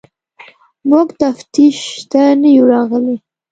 موږ تفتیش ته نه یو راغلي.